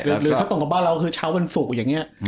หรือเขาตรงกับบ้านเราคือเช้าวันศุกร์อย่างนี้